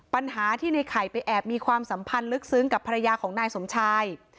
ปัญหาที่ในไข่ไปแอบมีความสัมพันธ์ลึกซึ้งกับภรรยาของนายสมชาย